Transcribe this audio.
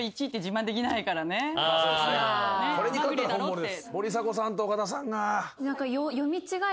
これに勝ったら本物です。